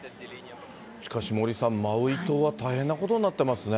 しかし、森さん、マウイ島は大変なことになってますね。